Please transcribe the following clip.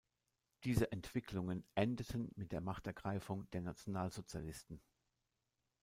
Diese Entwicklungen endeten mit der Machtergreifung der Nationalsozialisten.